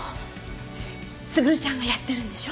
卓ちゃんがやってるんでしょ？